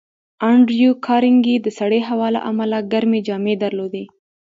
انډریو کارنګي د سړې هوا له امله ګرمې جامې درلودې